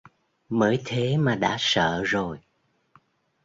mới thế mà đã sợ rồi